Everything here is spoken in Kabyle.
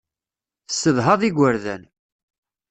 Tessedhaḍ igerdan.